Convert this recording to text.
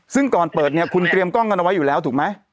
ซึ่งก่อนเปิดเนี่ยคุณเตรียมกล้องกันเอาไว้อยู่แล้วถูกไหม